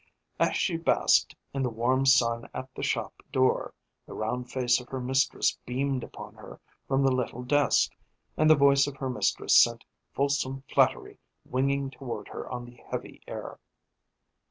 As she basked in the warm sun at the shop door, the round face of her mistress beamed upon her from the little desk, and the voice of her mistress sent fulsome flattery winging toward her on the heavy air.